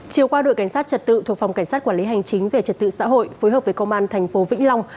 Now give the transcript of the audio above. chiều qua đội cảnh sát trật tự thuộc phòng cảnh sát quản lý hành chính về trật tự xã hội phối hợp với công an thành phố vĩnh long